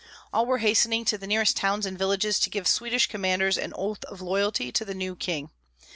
All were hastening to the nearest towns and villages to give Swedish commanders an oath of loyalty to the new king.